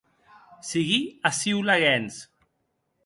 Siguí aciu laguens.